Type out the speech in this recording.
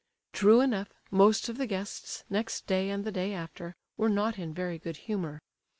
True enough, most of the guests, next day and the day after, were not in very good humour.